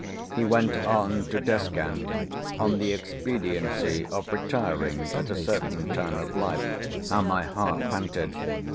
He went on to descant on the expediency of retiring at a certain time of life (how my heart panted!)